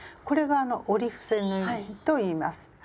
これが「折り伏せ縫い」といいます。